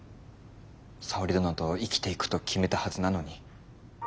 沙織殿と生きていくと決めたはずなのに。